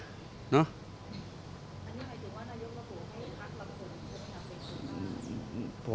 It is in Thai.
อันนี้ให้ดูว่านายุทธกรุงให้พักละคนจะทำเป็นสิทธิ์หรือเปล่า